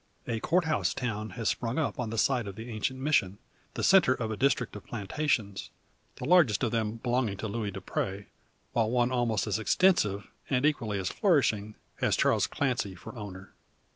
A Court House town has sprung up on the site of the ancient Mission, the centre of a district of plantations the largest of them belonging to Luis Dupre; while one almost as extensive, and equally as flourishing, has Charles Clancy for owner.